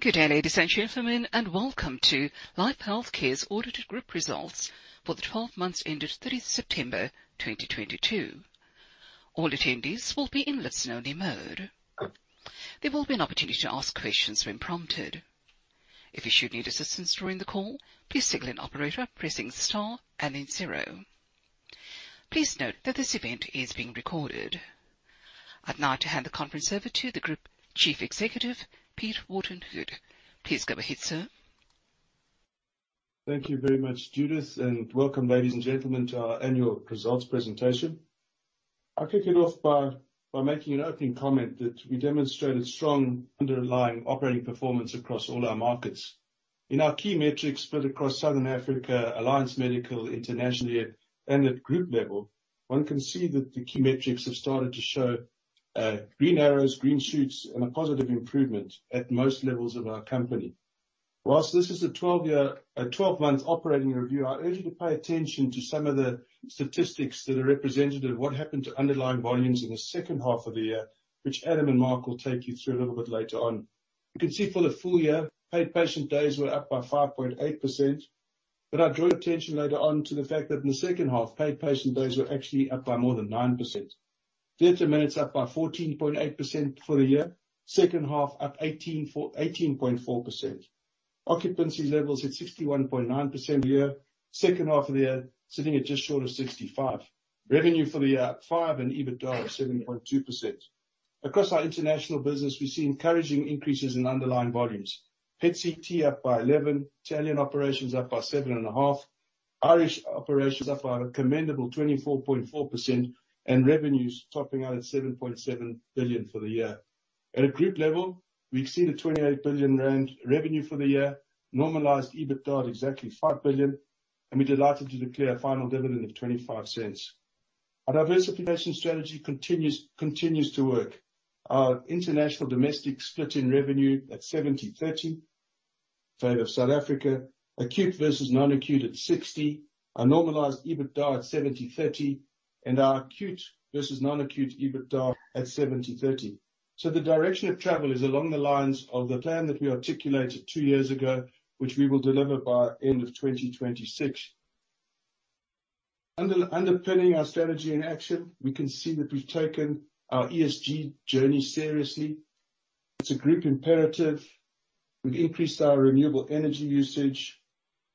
Good day, ladies and gentlemen. Welcome to Life Healthcare's audited group results for the 12 months ending 30th September 2022. All attendees will be in listen-only mode. There will be an opportunity to ask questions when prompted. If you should need assistance during the call, please signal an operator pressing star and then zero. Please note that this event is being recorded. I'd now like to hand the conference over to the Group Chief Executive, Peter Wharton-Hood. Please go ahead, sir. Thank you very much, Judith, and welcome, ladies and gentlemen, to our annual results presentation. I'll kick it off by making an opening comment that we demonstrated strong underlying operating performance across all our markets. In our key metrics split across Southern Africa, Alliance Medical, internationally and at group level, one can see that the key metrics have started to show green arrows, green shoots, and a positive improvement at most levels of our company. Whilst this is a 12 months operating review, I urge you to pay attention to some of the statistics that are representative of what happened to underlying volumes in the second half of the year, which Adam and Mark will take you through a little bit later on. You can see for the full year, paid patient days were up by 5.8%. I draw attention later on to the fact that in the second half, paid patient days were actually up by more than 9%. Theater minutes up by 14.8% for the year. Second half up 18.4%. Occupancy levels at 61.9% a year. Second half of the year, sitting at just short of 65%. Revenue for the year, up 5% and EBITDA of 7.2%. Across our international business, we see encouraging increases in underlying volumes. PET/CT up by 11%, Italian operations up by 7.5%, Irish operations up by a commendable 24.4% and revenues topping out at 7.7 billion for the year. At a group level, we exceeded 28 billion rand revenue for the year, normalized EBITDA at exactly 5 billion, and we delighted to declare a final dividend of 0.25. Our diversification strategy continues to work. Our international domestic split in revenue at 70/30 favor South Africa, acute versus non-acute at 60, our normalized EBITDA at 70/30, and our acute versus non-acute EBITDA at 70/30. The direction of travel is along the lines of the plan that we articulated two years ago, which we will deliver by end of 2026. Underpinning our strategy in action, we can see that we've taken our ESG journey seriously. It's a group imperative. We've increased our renewable energy usage.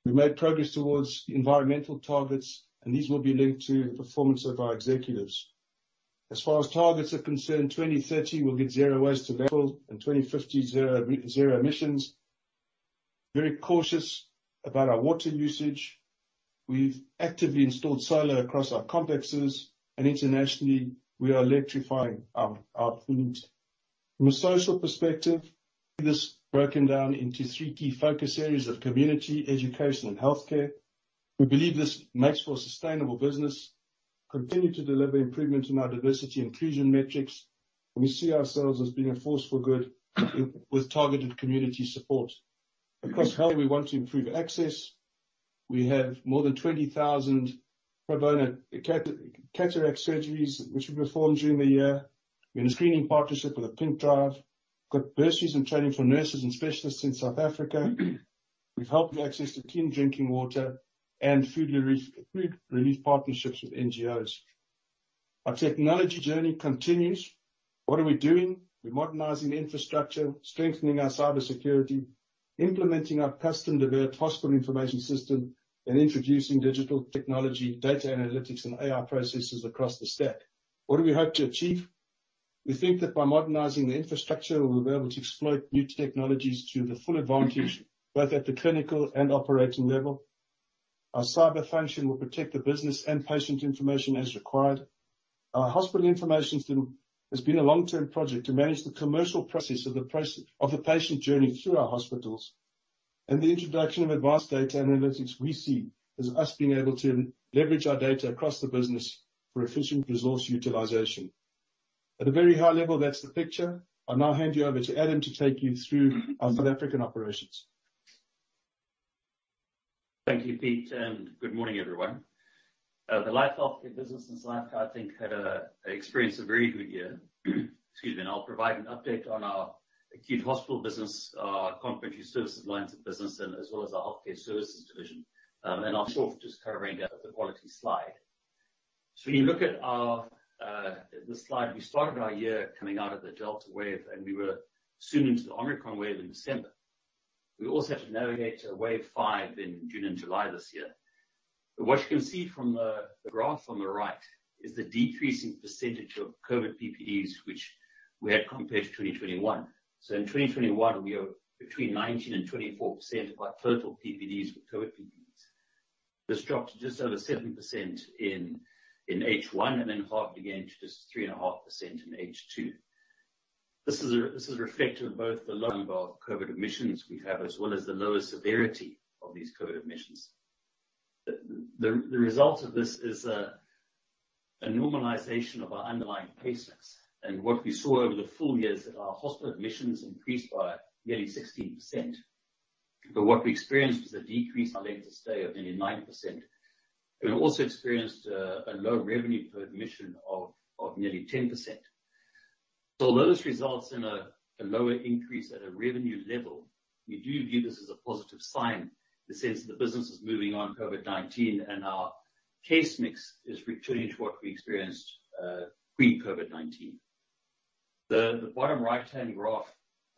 We made progress towards the environmental targets, and these will be linked to the performance of our executives. As far as targets are concerned, 2030, we'll get zero waste to landfill, and 2050, zero emissions. Very cautious about our water usage. We've actively installed solar across our complexes and internationally, we are electrifying our fleet. From a social perspective, this is broken down into three key focus areas of community, education and healthcare. We believe this makes for a sustainable business, continue to deliver improvement in our diversity inclusion metrics, and we see ourselves as being a force for good with targeted community support. Across health, we want to improve access. We have more than 20,000 pro bono cataract surgeries which were performed during the year. We're in a screening partnership with the PinkDrive. Got bursaries and training for nurses and specialists in South Africa. We've helped with access to clean drinking water and food relief partnerships with NGOs. Our technology journey continues. What are we doing? We're modernizing infrastructure, strengthening our cybersecurity, implementing our custom-developed hospital information system, and introducing digital technology, data analytics, and AI processes across the stack. What do we hope to achieve? We think that by modernizing the infrastructure, we'll be able to exploit new technologies to the full advantage, both at the clinical and operating level. Our cyber function will protect the business and patient information as required. Our hospital information system has been a long-term project to manage the commercial process of the patient journey through our hospitals. The introduction of advanced data analytics we see as us being able to leverage our data across the business for efficient resource utilization. At a very high level, that's the picture. I'll now hand you over to Adam to take you through our South African operations. Thank you, Pete, and good morning, everyone. The Life Healthcare business in South Africa, I think, had experienced a very good year. Excuse me. I'll provide an update on our acute hospital business, our complementary services lines of business and as well as our healthcare services division. I'll start off with just covering the quality slide. When you look at the slide, we started our year coming out of the Delta wave, and we were soon into the Omicron wave in December. We also had to navigate to wave five in June and July this year. What you can see from the graph on the right is the decreasing percentage of COVID PPDs which we had compared to 2021. In 2021 we were between 19% and 24% of our total PPDs were COVID PPDs. This dropped to just over 7% in H1 and then halved again to just 3.5% in H2. This is a reflection of both the lowering of our COVID admissions we've had as well as the lower severity of these COVID admissions. The result of this is a normalization of our underlying patients. What we saw over the full year is that our hospital admissions increased by nearly 16%. What we experienced was a decrease in our length of stay of nearly 9%. We also experienced a low revenue per admission of nearly 10%. Although this results in a lower increase at a revenue level, we do view this as a positive sign, in the sense the business is moving on COVID-19 and our case mix is returning to what we experienced pre-COVID-19. The bottom right-hand graph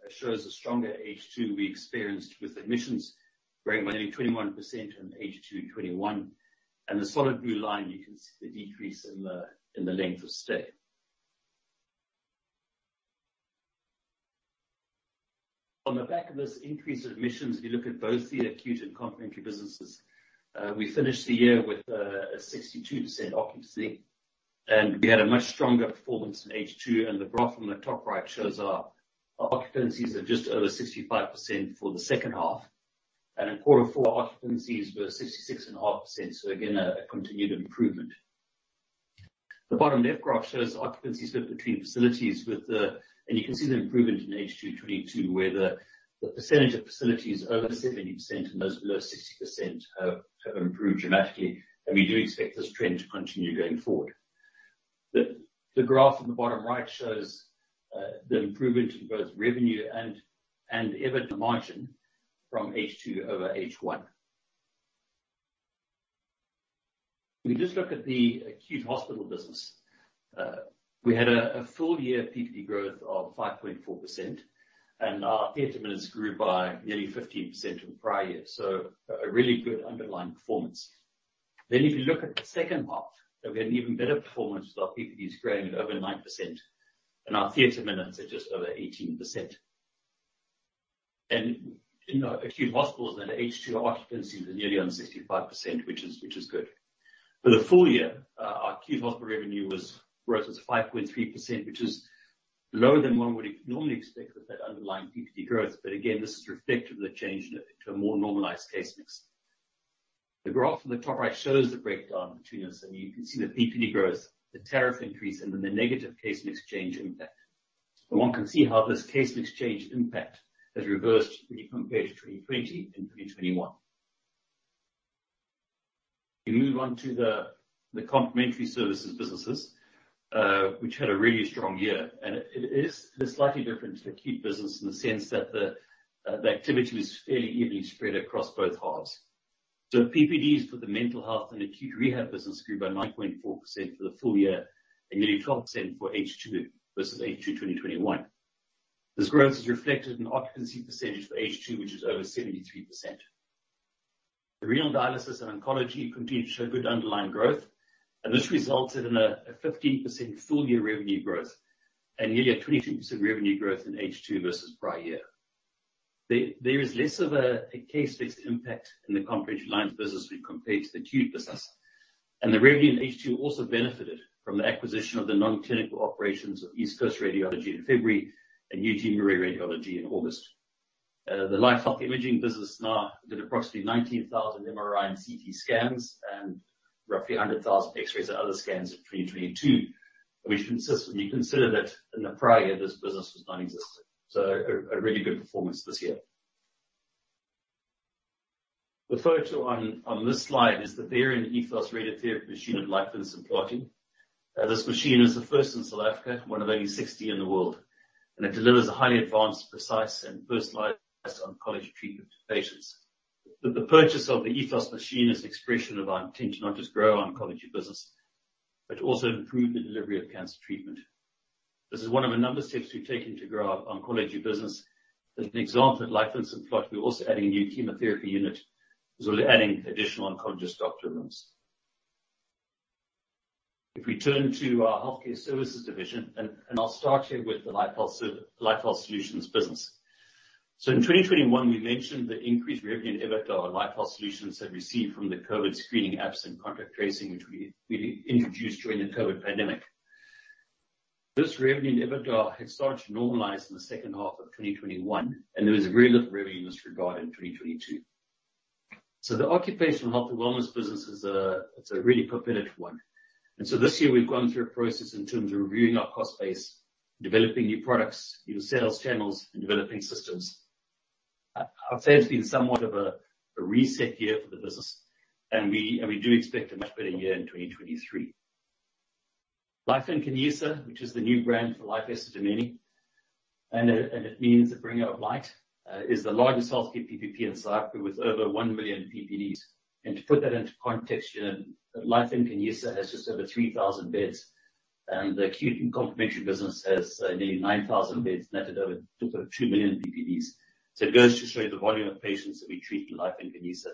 shows a stronger H2 we experienced with admissions growing by 21% in H2 2021. The solid blue line, you can see the decrease in the length of stay. On the back of this increase in admissions, if you look at both the acute and complementary businesses, we finished the year with a 62% occupancy. We had a much stronger performance in H2, and the graph on the top right shows our occupancies of just over 65% for the second half. In quarter four, occupancies were 66.5%, so again, a continued improvement. The bottom left graph shows occupancy split between facilities. You can see the improvement in H2 2022, where the percentage of facilities over 70% and those below 60% have improved dramatically. We do expect this trend to continue going forward. The graph on the bottom right shows the improvement in both revenue and EBITDA margin from H2 over H1. If we just look at the acute hospital business, we had a full year PPD growth of 5.4%, and our theater minutes grew by nearly 15% from the prior year. A really good underlying performance. If you look at the second half, and we had an even better performance with our PPDs growing at over 9%, and our theater minutes at just over 18%. In our acute hospitals, then H2 occupancies are nearly on 65%, which is good. For the full year, our acute hospital revenue growth was 5.3%, which is lower than one would normally expect with that underlying PPD growth, but again, this is reflective of the change to a more normalized case mix. The graph on the top right shows the breakdown between those, and you can see the PPD growth, the tariff increase, and then the negative case mix change impact. One can see how this case mix change impact has reversed when you compare 2020 and 2021. If we move on to the complementary services businesses which had a really strong year. It is slightly different to the acute business in the sense that the activity was fairly evenly spread across both halves. PPDs for the mental health and acute rehab business grew by 9.4% for the full year and nearly 12% for H2 versus H2 2021. This growth is reflected in occupancy percentage for H2, which is over 73%. The renal dialysis and oncology continued to show good underlying growth, and this resulted in a 15% full year revenue growth and nearly a 22% revenue growth in H2 versus prior year. There is less of a case mix impact in the comprehensive lines business when compared to the acute business. The revenue in H2 also benefited from the acquisition of the non-clinical operations of East Coast Radiology in February and Eugene Marais Radiology in August. The Life Health imaging business now did approximately 19,000 MRI and CT scans and roughly 100,000 X-rays and other scans in 2022, which when you consider that in the prior year this business was nonexistent. A really good performance this year. The photo on this slide is the Varian Ethos radiotherapy machine at Life Vincent Pallotti. This machine is the first in South Africa, one of only 60 in the world. It delivers a highly advanced, precise, and personalized oncology treatment to patients. The purchase of the Ethos machine is an expression of our intention to not just grow our oncology business, but also improve the delivery of cancer treatment. This is one of a number of steps we've taken to grow our oncology business. As an example, at Life Vincent Pallotti Hospital, we're also adding a new chemotherapy unit as well as adding additional oncologist doctor rooms. If we turn to our healthcare services division, I'll start here with the Life Health Solutions business. In 2021, we mentioned the increased revenue and EBITDA our Life Health Solutions had received from the COVID screening apps and contact tracing, which we introduced during the COVID pandemic. This revenue and EBITDA had started to normalize in the second half of 2021, and there was very little revenue in this regard in 2022. The occupational health and wellness business is a really diminutive one. This year we've gone through a process in terms of reviewing our cost base, developing new products, new sales channels, and developing systems. I'd say it's been somewhat of a reset year for the business, and we do expect a much better year in 2023. Life Nkanyisa, which is the new brand for Life Esidimeni, and it means the bringer of light, is the largest healthcare PPP in South Africa with over 1 million PPDs. To put that into context, you know that Life Nkanyisa has just over 3,000 beds, and the acute and complementary business has nearly 9,000 beds netted over 2.2 million PPDs. It goes to show you the volume of patients that we treat in Life Nkanyisa.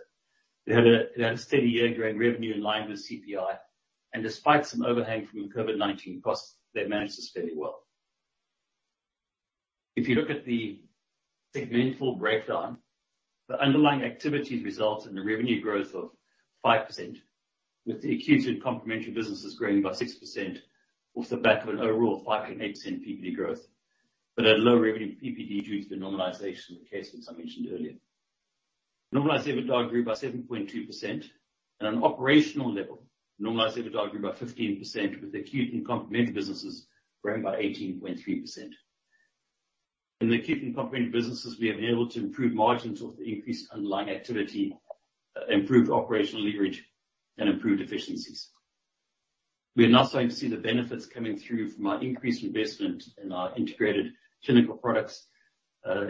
They had a steady year growing revenue in line with CPI. Despite some overhang from COVID-19 costs, they managed to spend it well. If you look at the segmental breakdown, the underlying activities result in a revenue growth of 5%, with the Acute and Complement businesses growing by 6% off the back of an overall 5.8% PPD growth, at lower revenue PPD due to the normalization of the case mix I mentioned earlier. Normalized EBITDA grew by 7.2%. On an operational level, normalized EBITDA grew by 15% with Acute and Complement businesses growing by 18.3%. In the Acute and Complement businesses, we have been able to improve margins with the increased underlying activity, improved operational leverage, and improved efficiencies. We are now starting to see the benefits coming through from our increased investment in our integrated clinical products,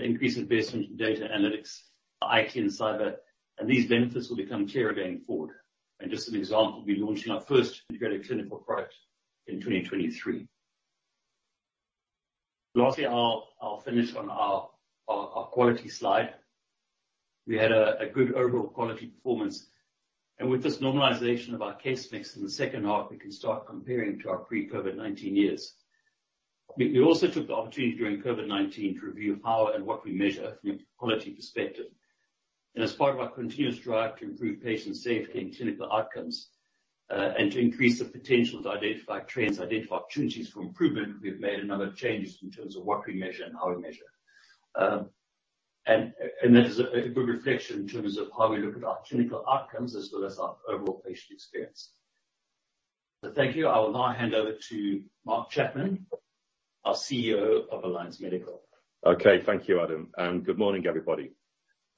increased investment in data analytics, I.T. and cyber. These benefits will become clearer going forward. Just an example, we're launching our first integrated clinical product in 2023. Lastly, I'll finish on our quality slide. We had a good overall quality performance. With this normalization of our case mix in the second half, we can start comparing to our pre-COVID-19 years. We also took the opportunity during COVID-19 to review how and what we measure from a quality perspective. As part of our continuous drive to improve patient safety and clinical outcomes and to increase the potential to identify trends, identify opportunities for improvement, we've made a number of changes in terms of what we measure and how we measure. That is a good reflection in terms of how we look at our clinical outcomes as well as our overall patient experience. Thank you. I will now hand over to Mark Chapman, our CEO of Alliance Medical. Okay. Thank you, Adam, and good morning, everybody.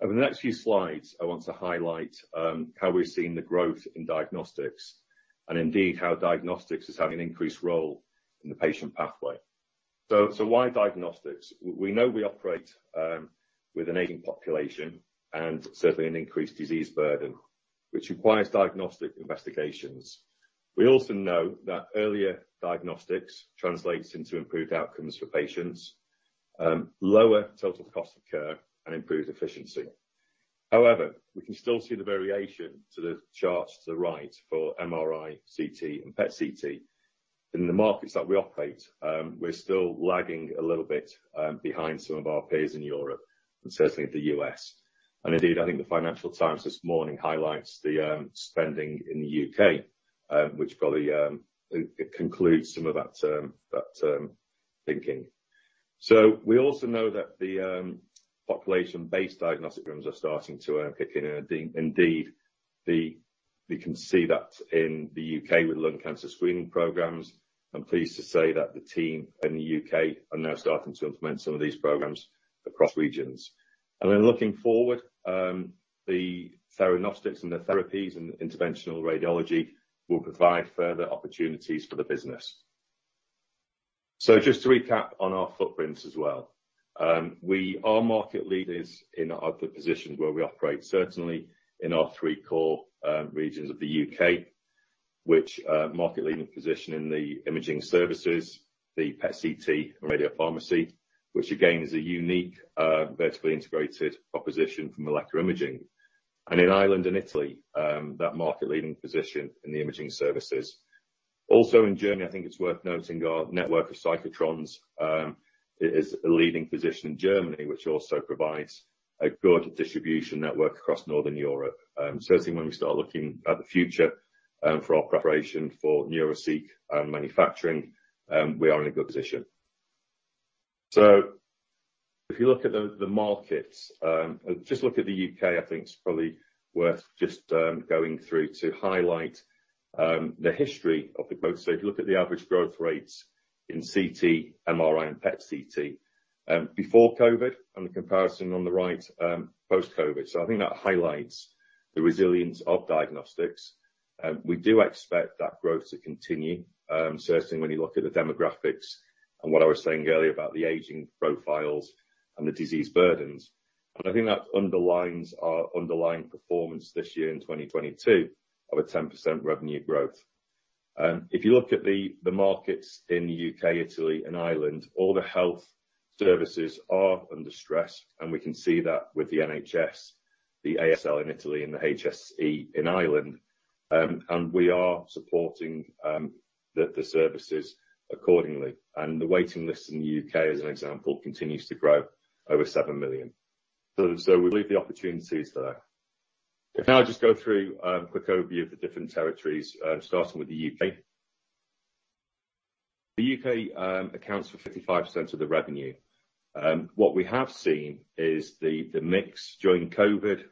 Over the next few slides, I want to highlight how we're seeing the growth in diagnostics and indeed how diagnostics is having an increased role in the patient pathway. Why diagnostics? We know we operate with an aging population and certainly an increased disease burden, which requires diagnostic investigations. We also know that earlier diagnostics translates into improved outcomes for patients, lower total cost of care, and improved efficiency. However, we can still see the variation to the charts to the right for MRI, CT, and PET/CT. In the markets that we operate, we're still lagging a little bit behind some of our peers in Europe and certainly the U.S. Indeed, I think the Financial Times this morning highlights the spending in the U.K. which probably concludes some of that thinking. We also know that the population-based diagnostic programs are starting to kick in. Indeed, you can see that in the U.K. with lung cancer screening programs. I'm pleased to say that the team in the U.K. are now starting to implement some of these programs across regions. Looking forward, the theranostics and the therapies and interventional radiology will provide further opportunities for the business. Just to recap on our footprints as well. We are market leaders in the output positions where we operate, certainly in our three core regions of the U.K., which are a market-leading position in the imaging services, the PET/CT radiopharmacy, which again, is a unique vertically integrated proposition for molecular imaging. In Ireland and Italy, that market-leading position in the imaging services. Also in Germany, I think it's worth noting our network of cyclotrons is a leading position in Germany, which also provides a good distribution network across Northern Europe. Certainly when we start looking at the future for our preparation for Neuraceq manufacturing, we are in a good position. If you look at the markets, just look at the U.K., I think it's probably worth just going through to highlight the history of the growth. If you look at the average growth rates in CT, MRI, and PET/CT before COVID and the comparison on the right post-COVID. I think that highlights the resilience of diagnostics. We do expect that growth to continue, certainly when you look at the demographics and what I was saying earlier about the aging profiles and the disease burdens. I think that underlines our underlying performance this year in 2022 of a 10% revenue growth. If you look at the markets in the U.K., Italy, and Ireland, all the health services are under stress, and we can see that with the NHS, the ASL in Italy, and the HSE in Ireland. We are supporting the services accordingly. The waiting list in the U.K., as an example, continues to grow over 7 million. We believe the opportunity is there. If I now just go through a quick overview of the different territories, starting with the U.K. The U.K. accounts for 55% of the revenue. What we have seen is the mix during COVID,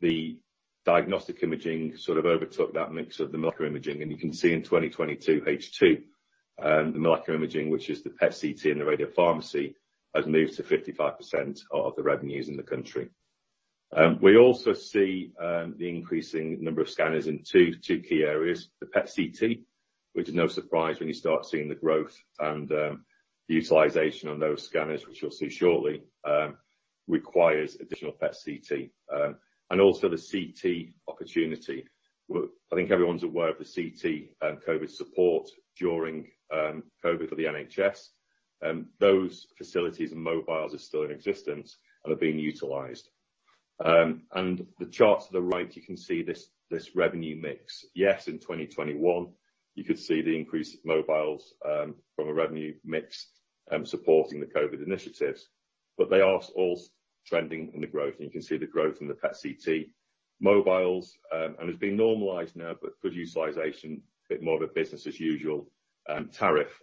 the diagnostic imaging sort of overtook that mix of the molecular imaging. You can see in 2022 H2, the molecular imaging, which is the PET/CT and the radiopharmacy, has moved to 55% of the revenues in the country. We also see the increasing number of scanners in two key areas. The PET/CT, which is no surprise when you start seeing the growth and the utilization on those scanners, which you'll see shortly, requires additional PET/CT. Also the CT opportunity. I think everyone's aware of the CT COVID support during COVID for the NHS. Those facilities and mobiles are still in existence and are being utilized. The charts to the right, you can see this revenue mix. Yes, in 2021, you could see the increase of mobiles from a revenue mix supporting the COVID initiatives. They are also trending in the growth, and you can see the growth in the PET/CT mobiles. It's been normalized now, but good utilization, a bit more of a business as usual tariff.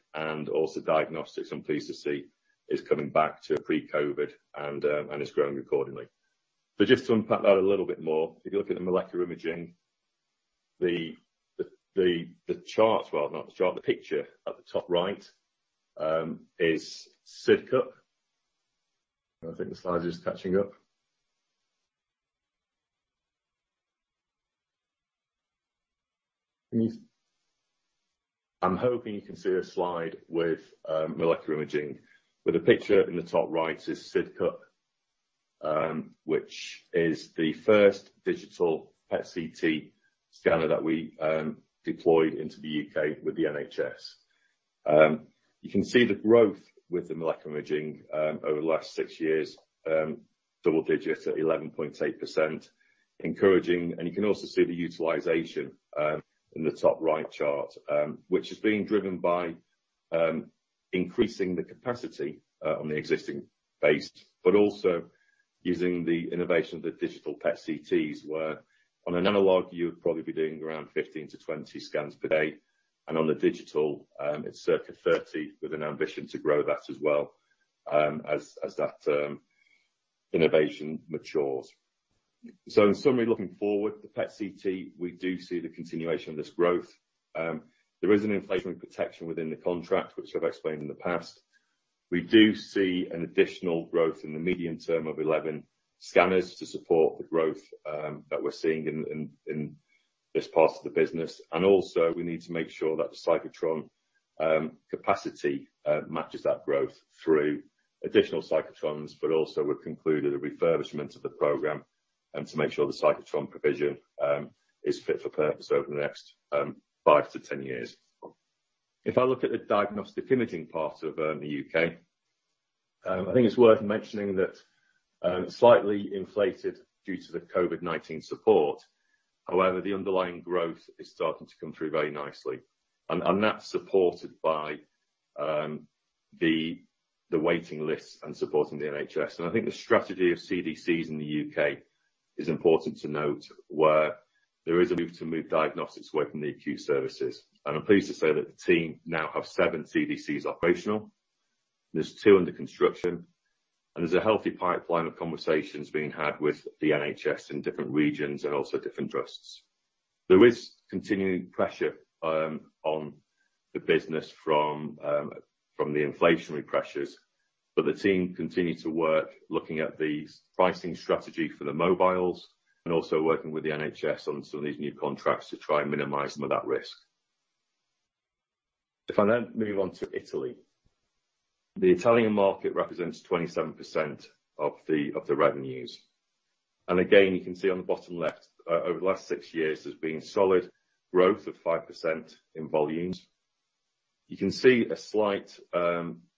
Also diagnostics, I'm pleased to see is coming back to pre-COVID and is growing accordingly. Just to unpack that a little bit more, if you look at the molecular imaging, the picture at the top right is Sidcup. I think the slide is catching up. I'm hoping you can see the slide with molecular imaging, where the picture in the top right is Sidcup, which is the first digital PET/CT scanner that we deployed into the U.K. with the NHS. You can see the growth with the molecular imaging over the last six years, double digits at 11.8%, encouraging. You can also see the utilization in the top right chart, which is being driven by increasing the capacity on the existing base, but also using the innovation of the digital PET/CTs, where on an analog, you'd probably be doing around 15-20 scans per day. On the digital, it's circa 30 with an ambition to grow that as well as that innovation matures. In summary, looking forward, the PET/CT, we do see the continuation of this growth. There is an inflationary protection within the contract, which I've explained in the past. We do see an additional growth in the medium term of 11 scanners to support the growth that we're seeing in this part of the business. Also, we need to make sure that the cyclotron capacity matches that growth through additional cyclotrons, but also we've concluded a refurbishment of the program and to make sure the cyclotron provision is fit for purpose over the next five to 10 years. If I look at the diagnostic imaging part of the U.K., I think it's worth mentioning that slightly inflated due to the COVID-19 support. However, the underlying growth is starting to come through very nicely. That's supported by the waiting lists and supporting the NHS. I think the strategy of CDCs in the U.K. is important to note, where there is a move to move diagnostics away from the acute services. I'm pleased to say that the team now have seven CDCs operational. There's two under construction, and there's a healthy pipeline of conversations being had with the NHS in different regions and also different trusts. There is continuing pressure on the business from the inflationary pressures, but the team continue to work looking at the pricing strategy for the mobiles and also working with the NHS on some of these new contracts to try and minimize some of that risk. If I then move on to Italy. The Italian market represents 27% of the revenues. Again, you can see on the bottom left, over the last six years, there's been solid growth of 5% in volumes. You can see a slight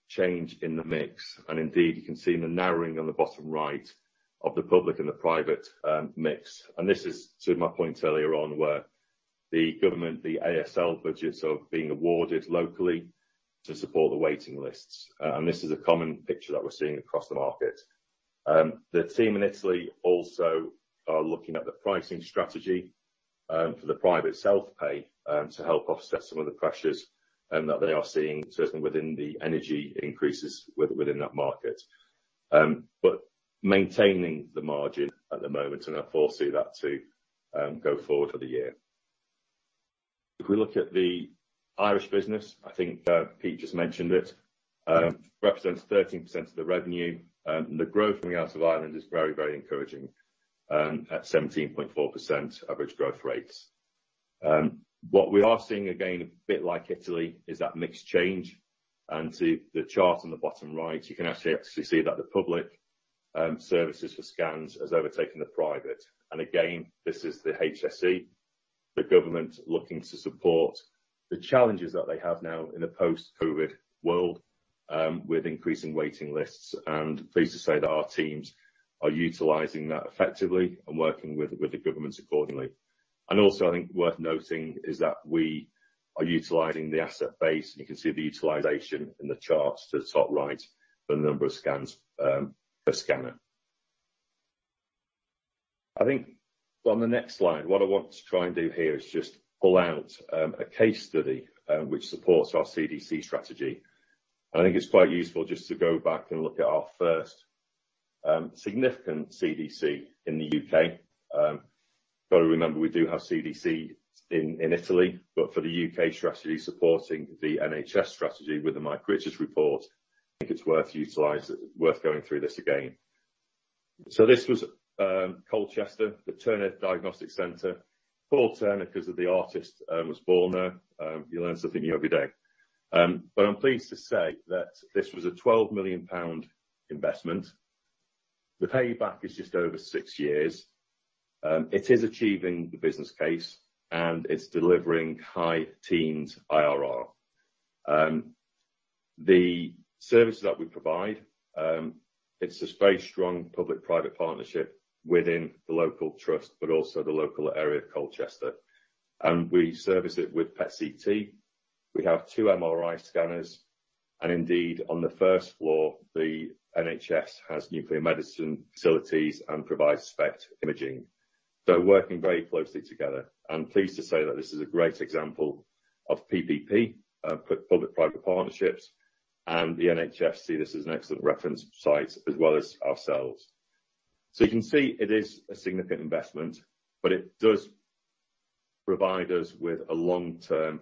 change in the mix, and indeed, you can see the narrowing on the bottom right of the public and the private mix. This is to my point earlier on where the government, the ASL budgets are being awarded locally to support the waiting lists. This is a common picture that we're seeing across the market. The team in Italy also are looking at the pricing strategy for the private self-pay to help offset some of the pressures that they are seeing, certainly within the energy increases within that market. Maintaining the margin at the moment, and I foresee that to go forward for the year. If we look at the Irish business, I think Pete just mentioned it, represents 13% of the revenue. The growth coming out of Ireland is very, very encouraging at 17.4% average growth rates. What we are seeing, again, a bit like Italy, is that mix change. To the chart on the bottom right, you can actually see that the public services for scans has overtaken the private. Again, this is the HSE, the government looking to support the challenges that they have now in a post-COVID world with increasing waiting lists. Pleased to say that our teams are utilizing that effectively and working with the governments accordingly. Also, I think worth noting is that we are utilizing the asset base, and you can see the utilization in the charts to the top right, the number of scans per scanner. I think on the next slide, what I want to try and do here is just pull out a case study which supports our CDC strategy. I think it's quite useful just to go back and look at our first significant CDC in the U.K. Got to remember, we do have CDCs in Italy, but for the U.K. strategy, supporting the NHS strategy with the Mike Richards report, I think it's worth going through this again. This was Colchester, the Turner Diagnostic Center. Called Turner 'cause of the artist was born there. You learn something new every day. I'm pleased to say that this was a 12 million pound investment. The payback is just over six years. It is achieving the business case, and it's delivering high-teens IRR. The services that we provide, it's a very strong public-private partnership within the local trust, but also the local area of Colchester. We service it with PET/CT. We have two MRI scanners. Indeed, on the first floor, NHS has nuclear medicine facilities and provide SPECT imaging. They're working very closely together. I'm pleased to say that this is a great example of PPP, Public-Private Partnerships, and the NHS see this as an excellent reference site as well as ourselves. You can see it is a significant investment, but it does provide us with a long-term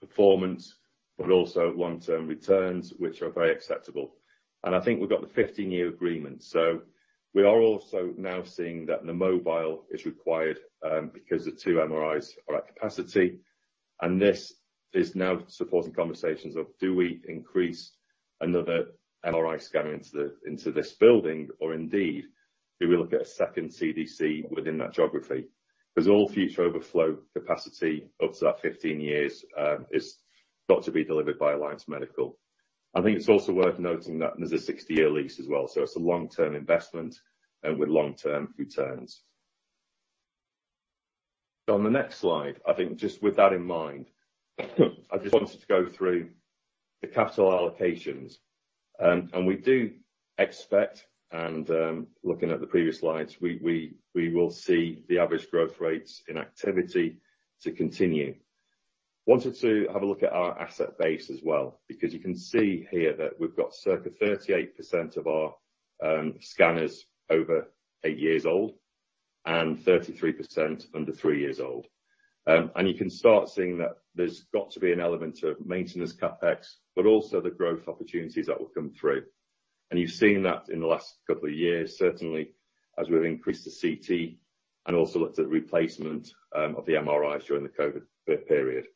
performance, but also long-term returns, which are very acceptable. I think we've got the 50-year agreement. We are also now seeing that the mobile is required because the two MRIs are at capacity, and this is now supporting conversations of do we increase another MRI scanner into this building? Indeed, do we look at a second CDC within that geography? Because all future overflow capacity up to that 15 years is got to be delivered by Alliance Medical. I think it's also worth noting that there's a 60-year lease as well, so it's a long-term investment with long-term returns. On the next slide, I think just with that in mind, I just wanted to go through the capital allocations. We do expect and, looking at the previous slides, we will see the average growth rates in activity to continue. Wanted to have a look at our asset base as well, because you can see here that we've got circa 38% of our scanners over eight years old and 33% under three years old. You can start seeing that there's got to be an element of maintenance CapEx, but also the growth opportunities that will come through. You've seen that in the last couple of years, certainly as we've increased the CT and also looked at replacement of the MRIs during the COVID period.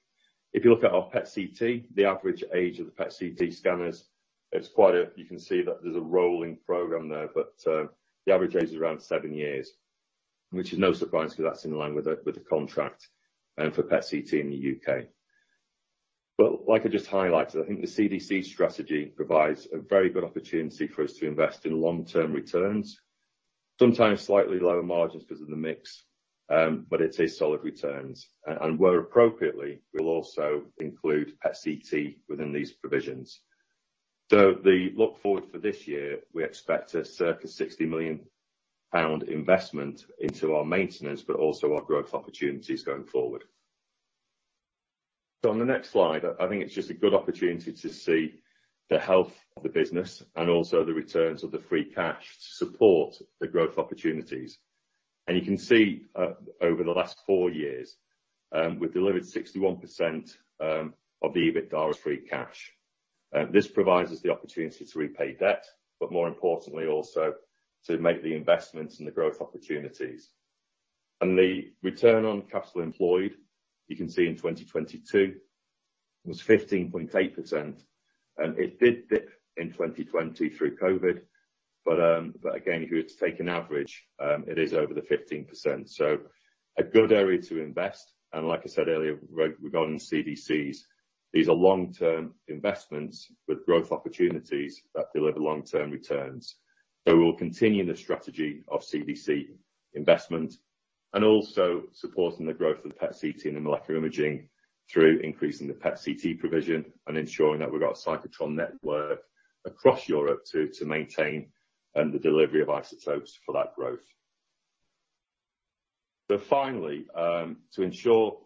If you look at our PET/CT, the average age of the PET/CT scanners, you can see that there's a rolling program there, but the average age is around seven years, which is no surprise 'cause that's in line with the contract and for PET/CT in the U.K. Like I just highlighted, I think the CDC strategy provides a very good opportunity for us to invest in long-term returns, sometimes slightly lower margins 'cause of the mix, but it is solid returns. Where appropriately, we'll also include PET/CT within these provisions. The look forward for this year, we expect a circa 60 million pound investment into our maintenance but also our growth opportunities going forward. On the next slide, I think it's just a good opportunity to see the health of the business and also the returns of the free cash to support the growth opportunities. You can see over the last four years, we've delivered 61% of the EBITDA free cash. This provides us the opportunity to repay debt but more importantly also to make the investments in the growth opportunities. The return on capital employed, you can see in 2022 was 15.8%, and it did dip in 2020 through COVID. Again, if you were to take an average, it is over the 15%. A good area to invest. Like I said earlier regarding CDCs, these are long-term investments with growth opportunities that deliver long-term returns. We'll continue the strategy of CDC investment and also supporting the growth of the PET/CT and the molecular imaging through increasing the PET/CT provision and ensuring that we've got a cyclotron network across Europe to maintain the delivery of isotopes for that growth. Finally, to ensure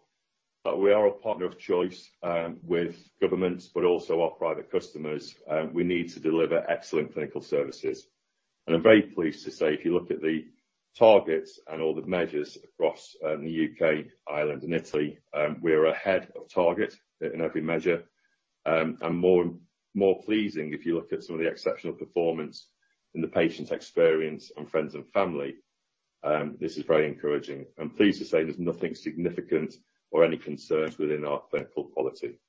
that we are a partner of choice with governments, but also our private customers, we need to deliver excellent clinical services. I'm very pleased to say, if you look at the targets and all the measures across the U.K., Ireland, and Italy, we are ahead of target in every measure. More pleasing, if you look at some of the exceptional performance in the patient experience and friends and family, this is very encouraging. I'm pleased to say there's nothing significant or any concerns within our clinical quality.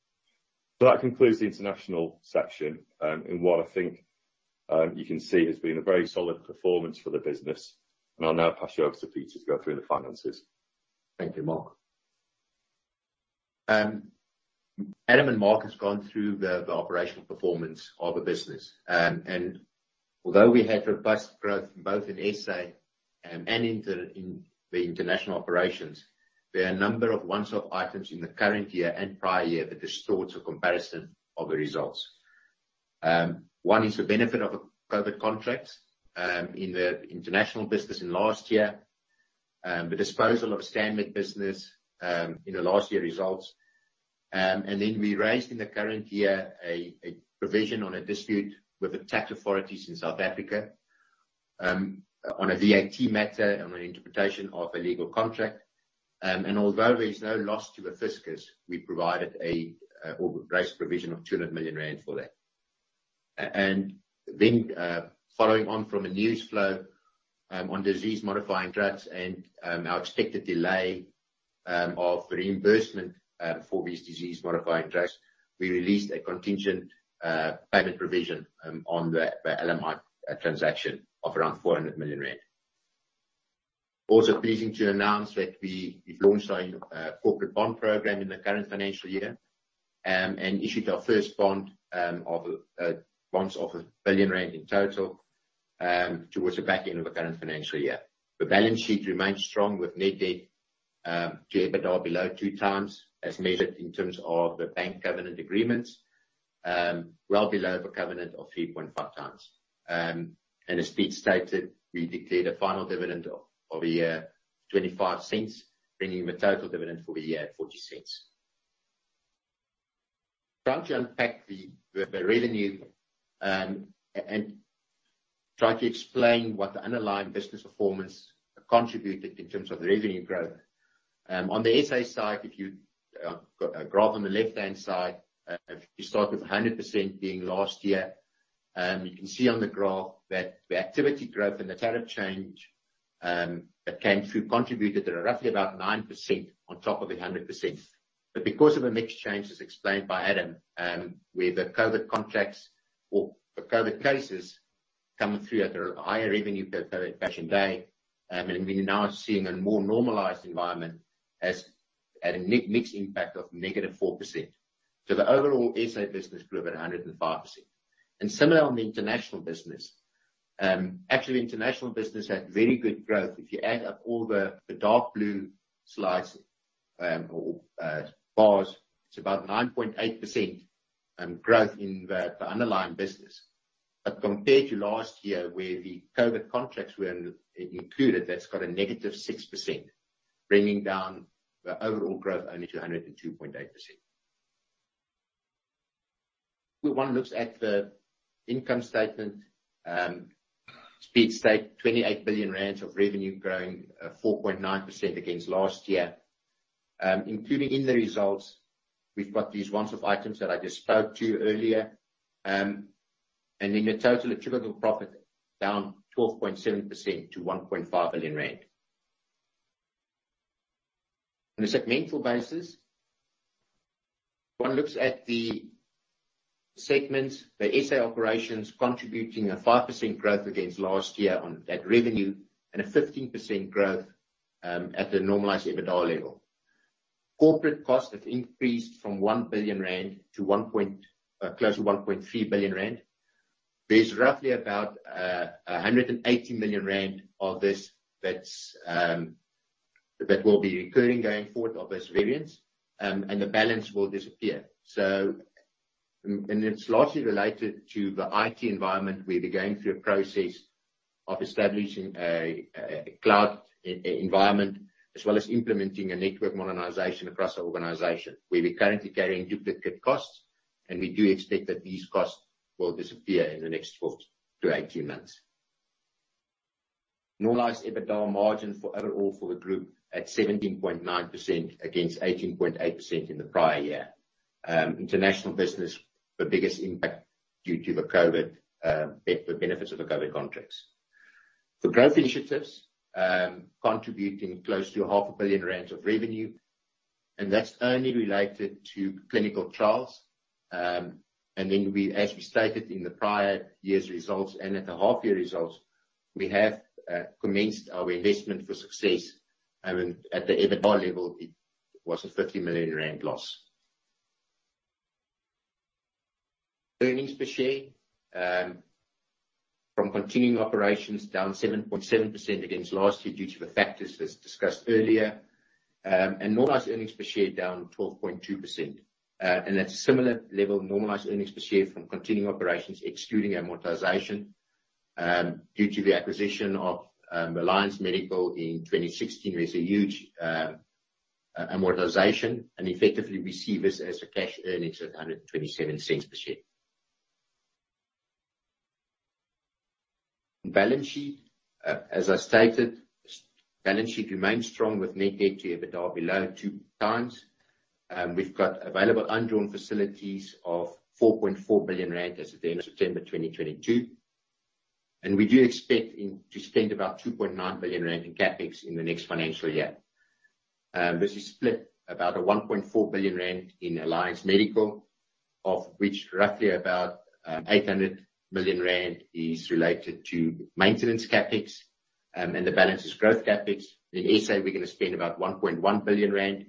That concludes the international section in what I think you can see has been a very solid performance for the business. I'll now pass you over to Peter to go through the finances. Thank you, Mark. Adam and Mark has gone through the operational performance of the business. Although we had robust growth both in S.A. and in the international operations, there are a number of one-off items in the current year and prior year that distorts the comparison of the results. One is the benefit of a COVID contract in the international business in last year. The disposal of Scanmed business in the last year results. We raised in the current year a provision on a dispute with the tax authorities in South Africa on a VAT matter on an interpretation of a legal contract. Although there is no loss to the fiscus, we provided a or raised a provision of 200 million rand for that. Following on from a news flow on disease-modifying drugs and our expected delay of reimbursement for these disease-modifying drugs, we released a contingent payment provision on the LMI transaction of around 400 million rand. Also pleasing to announce that we have launched our corporate bond program in the current financial year and issued our first bonds of 1 billion rand in total towards the back end of the current financial year. The balance sheet remains strong with net debt to EBITDA below 2x as measured in terms of the bank covenant agreements, well below the covenant of 3.5x. As Pete stated, we declared a final dividend of a year 0.25, bringing the total dividend for the year at ZAR 0.40. Trying to unpack the revenue and try to explain what the underlying business performance contributed in terms of the revenue growth. On the S.A. side, if you go graph on the left-hand side, if you start with 100% being last year, you can see on the graph that the activity growth and the tariff change that came through contributed to roughly about 9% on top of 100%. Because of a mix change as explained by Adam, where the COVID contracts or the COVID cases coming through at a higher revenue per patient day, and we're now seeing a more normalized environment as at a mixed impact of -4%. The overall S.A. business grew at 105%. Similar on the international business. Actually, international business had very good growth. If you add up all the dark blue slides or bars, it's about 9.8% growth in the underlying business. Compared to last year, where the COVID contracts were included, that's got a -6%, bringing down the overall growth only to 102.8%. If one looks at the income statement, as Pete stated, 28 billion rand of revenue growing 4.9% against last year. Including in the results, we've got these once-off items that I just spoke to earlier. The total attributable profit down 12.7% to ZAR 1.5 billion. On a segmental basis, if one looks at the segments, the S.A. operations contributing a 5% growth against last year at revenue and a 15% growth at the normalized EBITDA level. Corporate costs have increased from 1 billion rand to close to 1.3 billion rand. There's roughly about 180 million rand of this that will be recurring going forward of this variance, and the balance will disappear. It's largely related to the I.T. environment, where we're going through a process of establishing a cloud e-environment, as well as implementing a network modernization across our organization, where we're currently carrying duplicate costs, and we do expect that these costs will disappear in the next 12-18 months. Normalized EBITDA margin for overall for the group at 17.9% against 18.8% in the prior year. International business, the biggest impact due to the COVID, the benefits of the COVID contracts. The growth initiatives contributing close to 500 million rand of revenue, and that's only related to clinical trials. We, as we stated in the prior year's results and at the half-year results, we have commenced our investment for success, at the EBITDA level, it was a 50 million rand loss. Earnings per share from continuing operations down 7.7% against last year due to the factors as discussed earlier. Normalized earnings per share down 12.2%. Uh, and that's a similar level of normalized earnings per share from continuing operations excluding amortization, um, due to the acquisition of, um, Alliance Medical in 2016. There's a huge, um, uh, amortization, and effectively we see this as a cash earnings at 0.127 Per share. Balance sheet. Uh, as I stated, s-balance sheet remains strong with net debt to EBITDA below 2x. Um, we've got available undrawn facilities of 4.4 billion rand as at the end of September 2022, and we do expect in-- to spend about two point nine billion rand in CapEx in the next financial year. Um, this is split about a 1.4 billion rand in Alliance Medical, of which roughly about, um, 800 million rand is related to maintenance CapEx, um, and the balance is growth CapEx. In SA, we're gonna spend about 1.1 billion rand.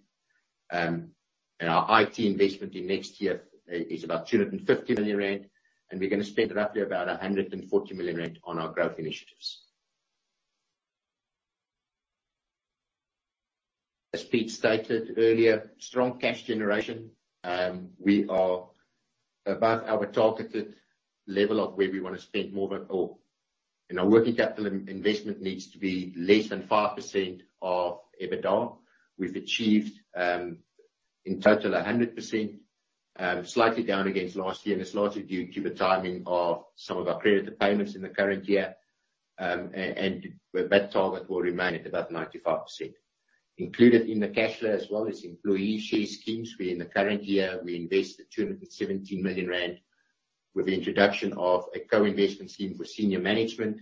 Our IT investment in next year is about 250 million rand, and we're gonna spend roughly about 140 million rand on our growth initiatives. As Pete stated earlier, strong cash generation. We are above our targeted level of where we wanna be, more than 100%. Our working capital investment needs to be less than 5% of EBITDA. We've achieved in total 100%, slightly down against last year, and it's largely due to the timing of some of our creditor payments in the current year. That target will remain at about 95%. Included in the cash flow, as well as employee share schemes, in the current year, we invested 217 million rand with the introduction of a co-investment scheme for senior management,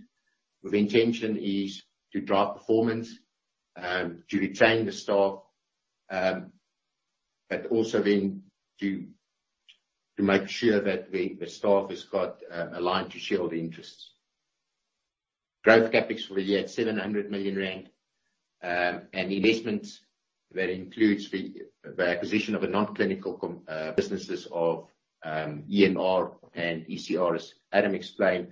with the intention is to drive performance, to retain the staff, but also then to make sure that the staff has got aligned to shareholder interests. Growth CapEx for the year at 700 million rand, and investments that includes the acquisition of non-clinical businesses of EMR and ECR, as Adam explained,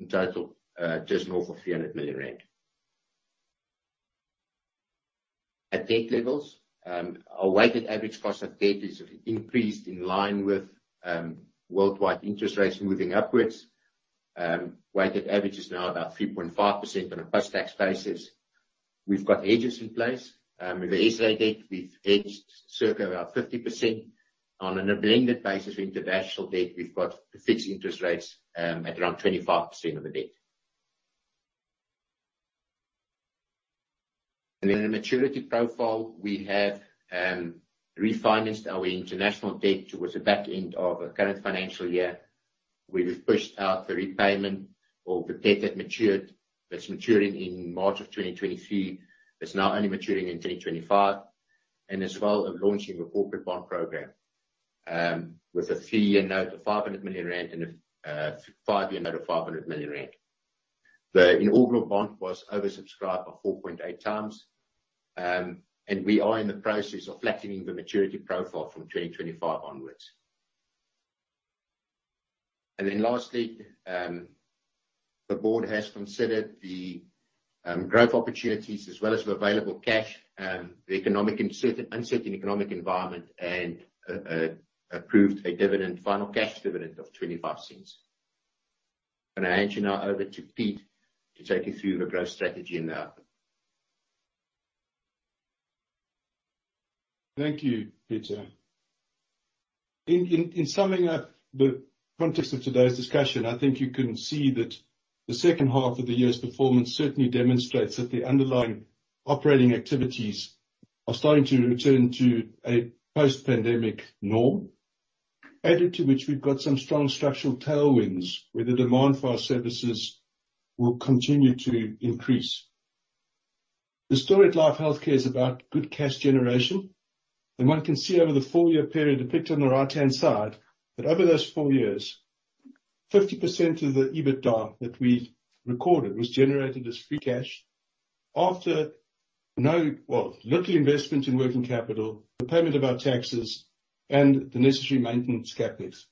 in total, just north of 300 million rand. At debt levels, our weighted average cost of debt is increased in line with worldwide interest rates moving upwards. Weighted average is now about 3.5% on a post-tax basis. We've got hedges in place. With the S.A. debt, we've hedged circa about 50%. On a blended basis with international debt, we've got fixed interest rates at around 25% of the debt. The maturity profile we have refinanced our international debt towards the back end of our current financial year, where we've pushed out the repayment of the debt that's maturing in March of 2023. It's now only maturing in 2025. As well as launching the corporate bond program with a three-year note of 500 million rand and a five-year note of 500 million rand. The inaugural bond was oversubscribed by 4.8x. We are in the process of flattening the maturity profile from 2025 onwards. Lastly, the Board has considered the growth opportunities as well as the available cash, the uncertain economic environment and approved a final cash dividend of 0.25. Gonna hand you now over to Pete to take you through the growth strategy and the outlook. Thank you, Peter. In summing up the context of today's discussion, I think you can see that the second half of the year's performance certainly demonstrates that the underlying operating activities are starting to return to a post-pandemic norm. Added to which we've got some strong structural tailwinds, where the demand for our services will continue to increase. The story at Life Healthcare is about good cash generation, and one can see over the four-year period depicted on the right-hand side, that over those four years, 50% of the EBITDA that we recorded was generated as free cash after well, little investment in working capital, the payment of our taxes and the necessary maintenance CapEx.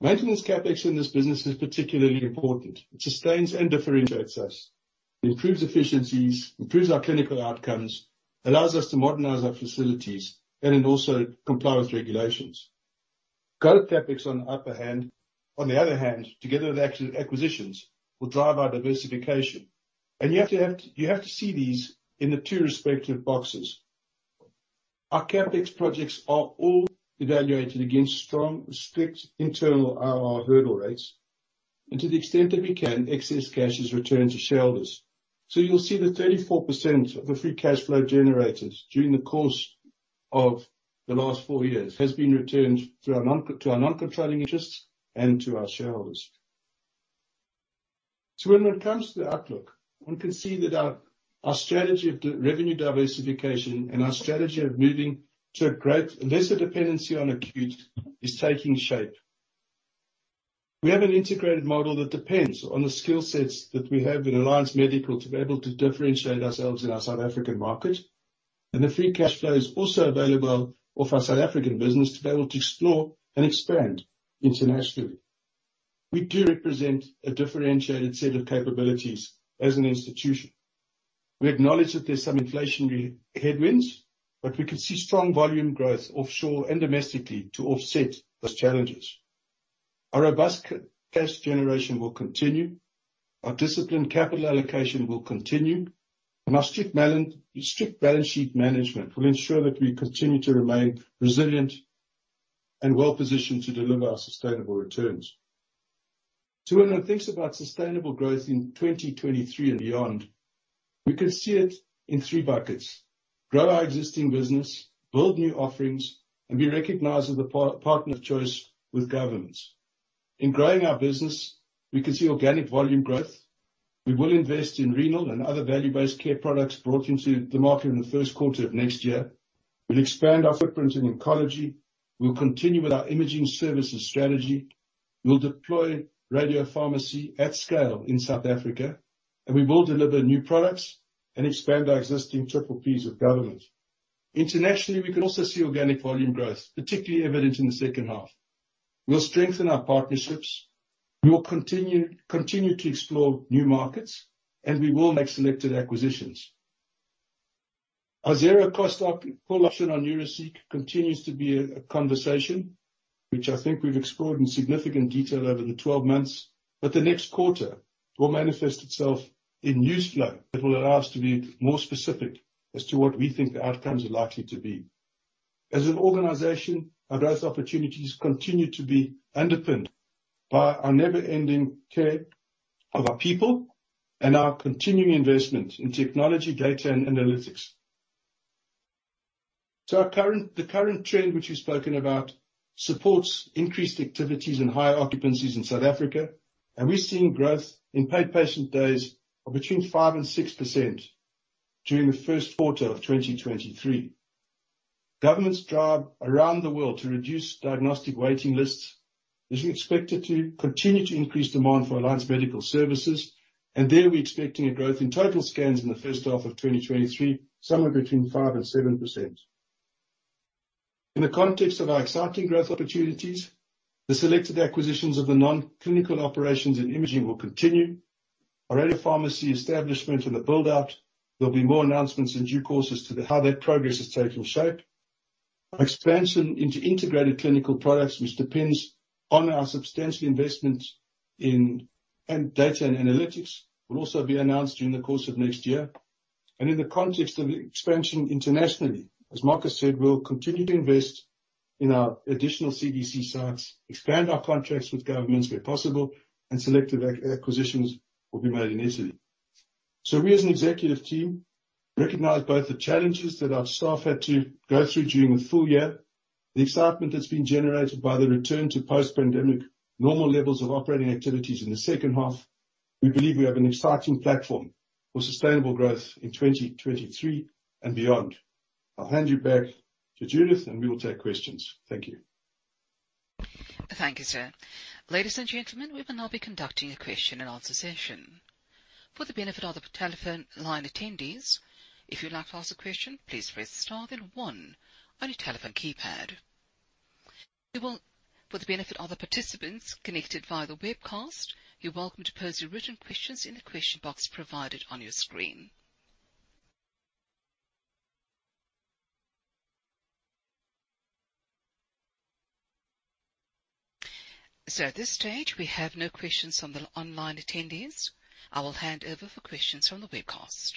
Maintenance CapEx in this business is particularly important. It sustains and differentiates us. It improves efficiencies, improves our clinical outcomes, allows us to modernize our facilities and then also comply with regulations. Growth CapEx, on the other hand, together with acquisitions, will drive our diversification. You have to see these in the two respective boxes. Our CapEx projects are all evaluated against strong, strict internal IRR hurdle rates, and to the extent that we can, excess cash is returned to shareholders. You'll see that 34% of the free cash flow generated during the course of the last four years has been returned to our non-controlling interests and to our shareholders. When it comes to the outlook, one can see that our strategy of revenue diversification and our strategy of moving to a lesser dependency on acute is taking shape. We have an integrated model that depends on the skill sets that we have in Alliance Medical to be able to differentiate ourselves in our South African market, and the free cash flow is also available of our South African business to be able to explore and expand internationally. We do represent a differentiated set of capabilities as an institution. We acknowledge that there's some inflationary headwinds, but we can see strong volume growth offshore and domestically to offset those challenges. Our robust cash generation will continue, our disciplined capital allocation will continue, and our strict balance sheet management will ensure that we continue to remain resilient and well-positioned to deliver our sustainable returns. When one thinks about sustainable growth in 2023 and beyond, we can see it in three buckets, grow our existing business, build new offerings, and be recognized as the partner of choice with governments. In growing our business, we can see organic volume growth. We will invest in renal and other value-based care products brought into the market in the first quarter of next year. We'll expand our footprint in oncology. We'll continue with our imaging services strategy. We'll deploy radiopharmacy at scale in South Africa, and we will deliver new products and expand our existing PPPs with government. Internationally, we can also see organic volume growth, particularly evident in the second half. We'll strengthen our partnerships. We will continue to explore new markets, and we will make selected acquisitions. Our zero cost up-call option on Neuraceq continues to be a conversation which I think we've explored in significant detail over the 12 months, but the next quarter will manifest itself in news flow that will allow us to be more specific as to what we think the outcomes are likely to be. As an organization, our growth opportunities continue to be underpinned by our never-ending care of our people and our continuing investment in technology, data and analytics. The current trend which we've spoken about supports increased activities and higher occupancies in South Africa, and we're seeing growth in paid patient days of between 5% and 6% during the first quarter of 2023. Government's drive around the world to reduce diagnostic waiting lists is expected to continue to increase demand for Alliance Medical Services, and there we're expecting a growth in total scans in the first half of 2023, somewhere between 5% and 7%. In the context of our exciting growth opportunities, the selected acquisitions of the non-clinical operations in imaging will continue. Our radiopharmacy establishment and the build-out, there'll be more announcements in due course as to how that progress has taken shape. Our expansion into integrated clinical products, which depends on our substantial investment in data and analytics, will also be announced during the course of next year. In the context of expansion internationally, as Mark Chapman said, we'll continue to invest in our additional CDC sites, expand our contracts with governments where possible, and selective acquisitions will be made in Italy. We as an executive team recognize both the challenges that our staff had to go through during the full year, the excitement that's been generated by the return to post-pandemic normal levels of operating activities in the second half. We believe we have an exciting platform for sustainable growth in 2023 and beyond. I'll hand you back to Judith, and we will take questions. Thank you. Thank you, sir. Ladies and gentlemen, we will now be conducting a question and answer session. For the benefit of the telephone line attendees, if you'd like to ask a question, please press star then one on your telephone keypad. For the benefit of the participants connected via the webcast, you're welcome to pose your written questions in the question box provided on your screen. At this stage, we have no questions from the online attendees. I will hand over for questions from the webcast.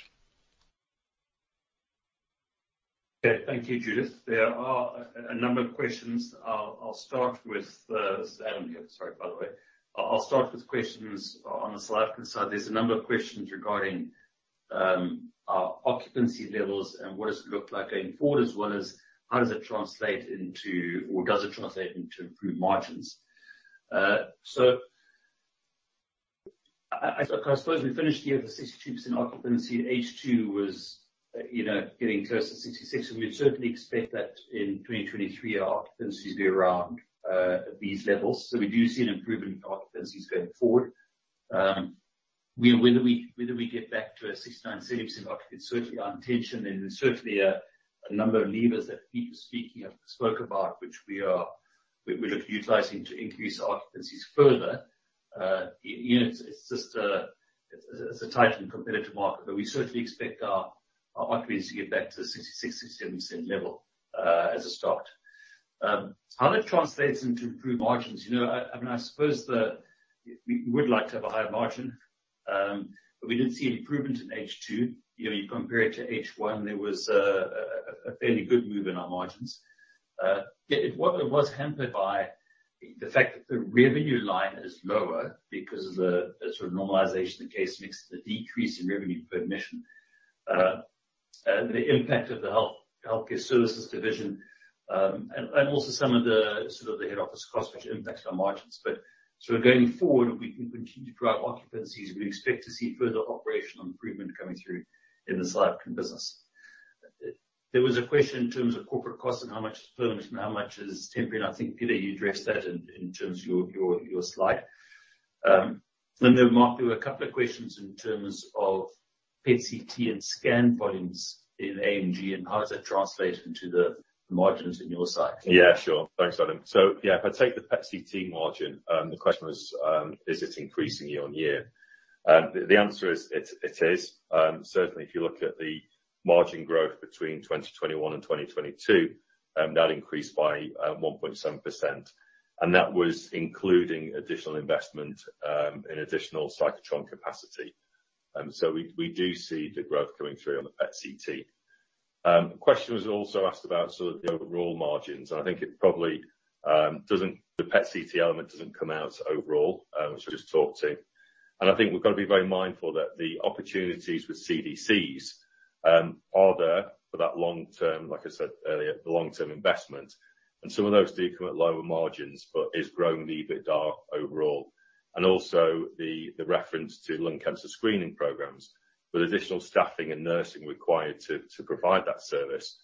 Okay. Thank you, Judith. There are a number of questions. This is Adam here. Sorry, by the way. I'll start with questions on the cyclotron side. There's a number of questions regarding occupancy levels and what does it look like going forward, as well as how does it translate into, or does it translate into improved margins. I suppose we finished the year with 62% occupancy. H2 was, you know, getting close to 66%, and we'd certainly expect that in 2023 our occupancies be around these levels. We do see an improvement in occupancies going forward. Whether we get back to a 69%-70% occupancy, it's certainly our intention and certainly a number of levers that Peter spoke about, which we're utilizing to increase occupancies further. You know, it's just a tight and competitive market, but we certainly expect our occupancies to get back to the 66%-70% level as a start. How that translates into improved margins, you know, I mean, I suppose we would like to have a higher margin, but we did see an improvement in H2. You know, you compare it to H1, there was a fairly good move in our margins. Yeah, it was hampered by the fact that the revenue line is lower because of the sort of normalization of case mix, the decrease in revenue per admission, the impact of the healthcare services division, and also some of the sort of the head office costs which impacts our margins. Going forward, we can continue to drive occupancies. We expect to see further operational improvement coming through in the cyclotron business. There was a question in terms of corporate costs and how much is permanent and how much is temporary, and I think, Peter, you addressed that in terms of your slide. Mark, there were a couple of questions in terms of PET/CT and scan volumes in AMG, and how does that translate into the margins in your side? Yeah, sure. Thanks, Adam. Yeah, if I take the PET/CT margin, the question was, is it increasing year-on-year? The answer is, it is. Certainly if you look at the margin growth between 2021 and 2022, that increased by 1.7%, and that was including additional investment in additional cyclotron capacity. We do see the growth coming through on the PET/CT. The question was also asked about sort of the overall margins, and I think the PET/CT element doesn't come out overall, which we just talked to. I think we've got to be very mindful that the opportunities with CDCs are there for that long term, like I said earlier, the long-term investment. Some of those do come at lower margins but is growing the EBITDA overall. Also the reference to lung cancer screening programs, with additional staffing and nursing required to provide that service.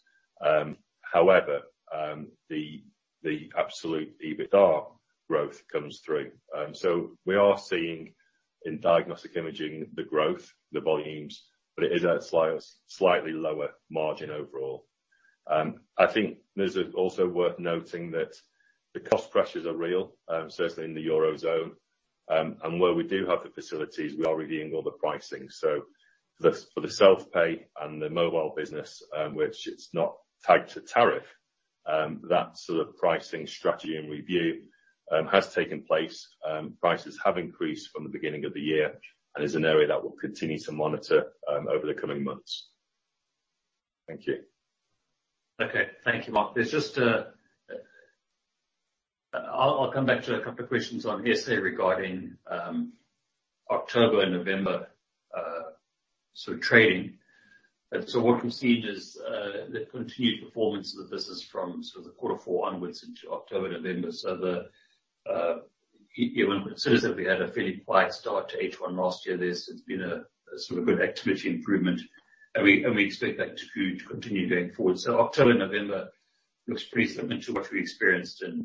However, the absolute EBITDA growth comes through. We are seeing in diagnostic imaging the growth, the volumes, but it is at slightly lower margin overall. I think this is also worth noting that the cost pressures are real, certainly in the Eurozone. Where we do have the facilities, we are reviewing all the pricing. For the self-pay and the mobile business, which it's not tied to tariff, that sort of pricing strategy and review has taken place. Prices have increased from the beginning of the year and is an area that we'll continue to monitor over the coming months. Thank you. Okay. Thank you, Mark. I'll come back to a couple of questions on S.A. regarding October and November sort of trading. What we've seen is the continued performance of the business from sort of the quarter four onwards into October, November. Given, considering that we had a fairly quiet start to H1 last year, there's been a sort of good activity improvement and we expect that to continue going forward. October, November looks pretty similar to what we experienced in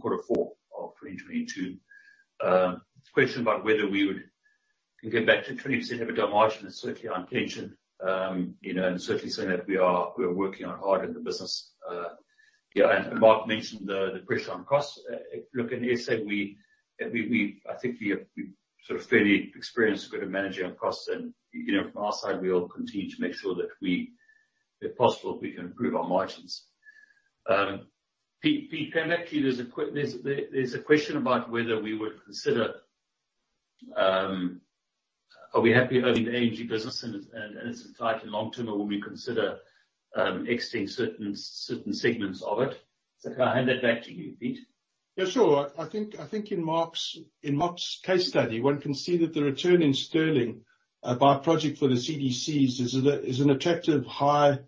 quarter four of 2022. Question about whether we can get back to 20% EBITDA margin is certainly our intention. You know, certainly something that we are working on hard in the business. Yeah, Mark mentioned the pressure on costs. Look, in S.A. I think we have a sort of fairly experienced way of managing our costs and, you know, from our side, we will continue to make sure that we, if possible, we can improve our margins. Pete, coming back to you. There's a question about, are we happy owning the AMG business and its entirety long term, or will we consider exiting certain segments of it? If I hand that back to you, Pete. Yeah, sure. I think in Mark's case study, one can see that the return in sterling by project for the CDCs is an attractive high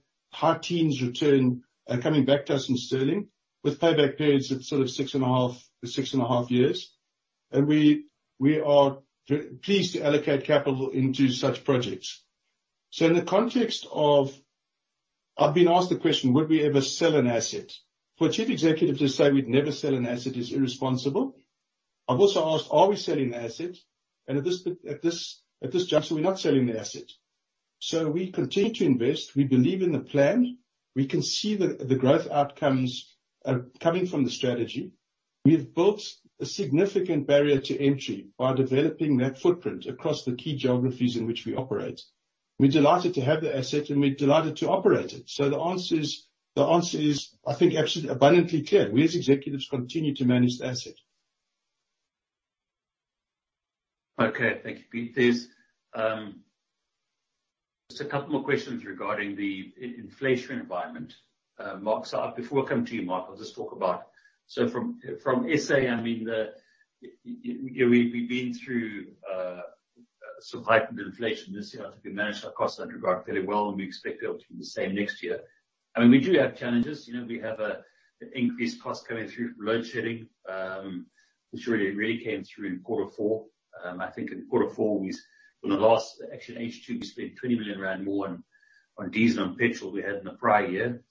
teens return coming back to us in sterling with payback periods of sort of 6.5 years. We are pleased to allocate capital into such projects. In the context of, I've been asked the question, would we ever sell an asset? For a chief executive to say we'd never sell an asset is irresponsible. I've also asked, are we selling the asset? At this juncture, we're not selling the asset. We continue to invest. We believe in the plan. We can see the growth outcomes coming from the strategy. We've built a significant barrier to entry by developing that footprint across the key geographies in which we operate. We're delighted to have the asset, and we're delighted to operate it. The answer is, I think, absolutely abundantly clear. We as executives continue to manage the asset. Okay. Thank you, Pete. There's just a couple more questions regarding the inflation environment. Mark, before I come to you, Mark, from S.A,, I mean, you know, we've been through some heightened inflation this year. I think we managed our costs in that regard fairly well, and we expect that to be the same next year. I mean, we do have challenges. You know, we have increased costs coming through from load shedding, which really came through in quarter four. Actually, in H2, we spent 20 million rand more on diesel and petrol we had in the prior year.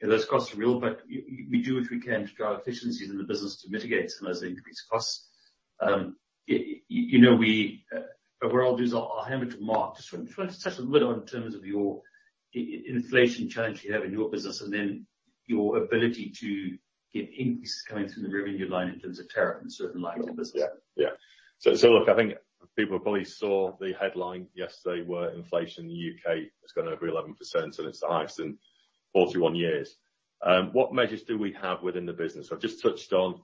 Those costs are real, but we do what we can to drive efficiencies in the business to mitigate some of those increased costs. You know, what I'll do is I'll hand over to Mark. Just want to touch a little in terms of your inflation challenge you have in your business, and then your ability to get increases coming through in the revenue line in terms of tariff in certain lines of business. Yeah. Yeah. Look, I think people probably saw the headline yesterday where inflation in the U.K. has gone over 11%, and it's the highest in 41 years. What measures do we have within the business? I've just touched on,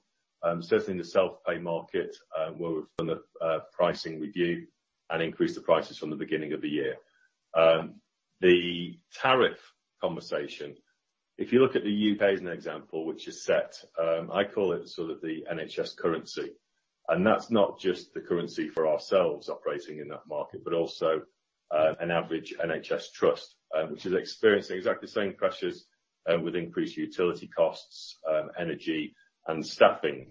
certainly in the self-pay market, where we've done a pricing review and increased the prices from the beginning of the year. The tariff conversation, if you look at the U.K. as an example, which is set, I call it sort of the NHS currency, and that's not just the currency for ourselves operating in that market, but also an average NHS trust, which is experiencing exactly the same pressures with increased utility costs, energy and staffing.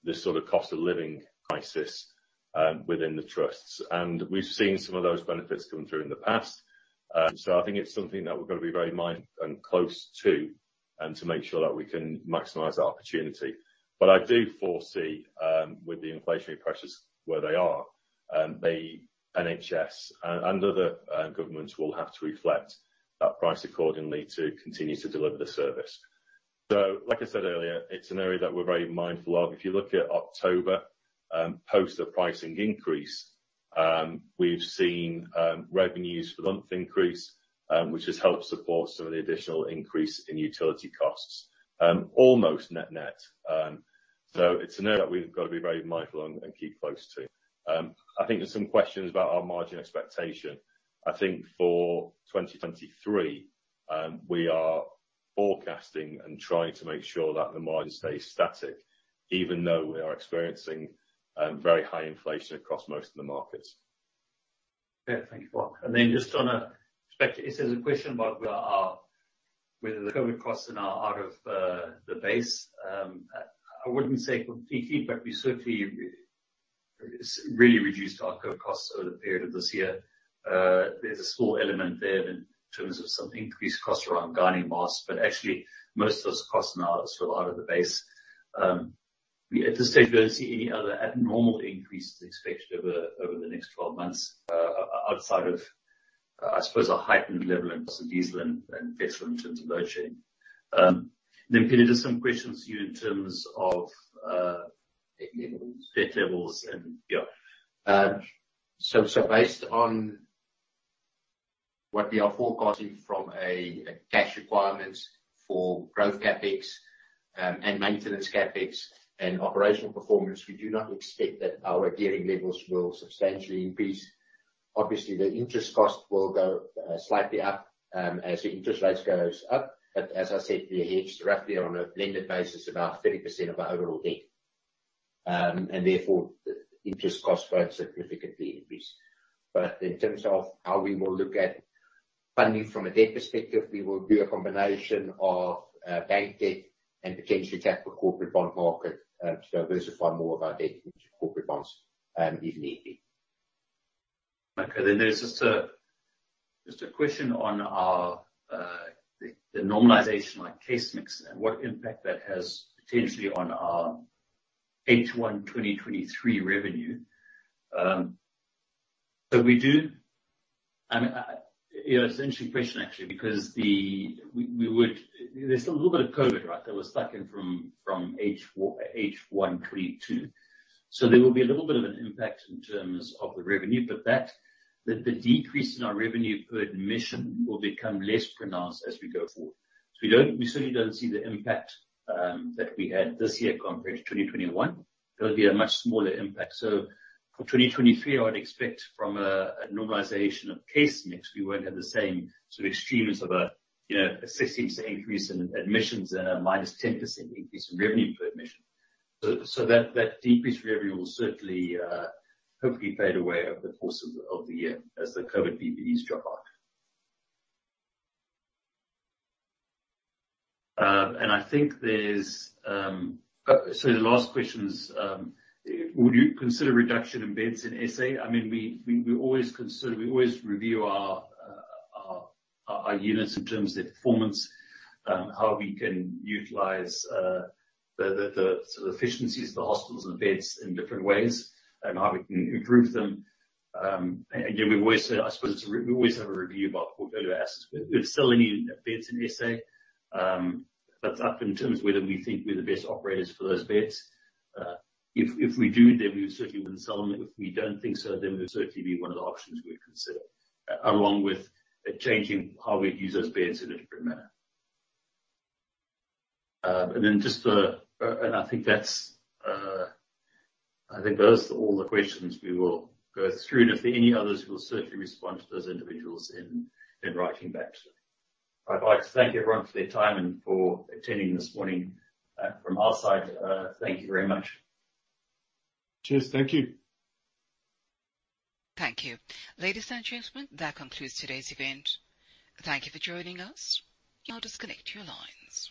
There's no indications on the tariff yet, but there are conversations around the NHS supporting the sort of cost-of-living crisis within the trusts. We've seen some of those benefits come through in the past. I think it's something that we've got to be very close to to make sure that we can maximize that opportunity. I do foresee, with the inflationary pressures where they are, the NHS and other governments will have to reflect that price accordingly to continue to deliver the service. Like I said earlier, it's an area that we're very mindful of. If you look at October, post the pricing increase, we've seen revenues for the month increase, which has helped support some of the additional increase in utility costs, almost net-net. It's an area that we've got to be very mindful and keep close to. I think there's some questions about our margin expectation. I think for 2023, we are forecasting and trying to make sure that the margin stays static, even though we are experiencing very high inflation across most of the markets. Yeah. Thank you, Mark. This is a question about whether the COVID costs are now out of the base. I wouldn't say completely, but we certainly really reduced our COVID costs over the period of this year. There's a small element there in terms of some increased costs around PPE and masks, but actually, most of those costs are now sort of out of the base. We at this stage don't see any other abnormal increases expected over the next 12 months outside of, I suppose, a heightened level in terms of diesel and petrol in terms of load shedding. Peter, there's some questions for you. Debt levels. Based on what we are forecasting from a cash requirement for growth CapEx and maintenance CapEx and operational performance, we do not expect that our gearing levels will substantially increase. Obviously, the interest cost will go slightly up as the interest rates goes up. As I said, we are hedged roughly on a blended basis about 30% of our overall debt. Therefore, the interest costs won't significantly increase. In terms of how we will look at funding from a debt perspective, we will do a combination of bank debt and potentially tap the corporate bond market to diversify more of our debt into corporate bonds if need be. Okay, there's just a question on our normalization on case mix and what impact that has potentially on our H1 2023 revenue. I mean, you know, it's an interesting question actually because there's a little bit of COVID, right, that was stuck in from H1 2022. There will be a little bit of an impact in terms of the revenue, but the decrease in our revenue per admission will become less pronounced as we go forward. We certainly don't see the impact that we had this year compared to 2021. There will be a much smaller impact. For 2023, I would expect from a normalization of case mix, we won't have the same sort of extremes of, you know, a 16% increase in admissions and a -10% increase in revenue per admission. That decreased revenue will certainly, hopefully fade away over the course of the year as the COVID PPDs drop off. The last question is, would you consider reduction in beds in S.A.? I mean, we always consider, we always review our units in terms of their performance, how we can utilize the efficiencies of the hospitals and the beds in different ways and how we can improve them. Again, we always say, I suppose we always have a review about the portfolio of assets. We're still needing beds in S.A., but in terms of whether we think we're the best operators for those beds. If we do, then we certainly wouldn't sell them. If we don't think so, then it would certainly be one of the options we'd consider along with changing how we use those beds in a different manner. I think those are all the questions we will go through. If there are any others we'll certainly respond to those individuals in writing back to them. I'd like to thank everyone for their time and for attending this morning. From our side, thank you very much. Cheers. Thank you. Thank you. Ladies and gentlemen, that concludes today's event. Thank you for joining us. You may now disconnect your lines.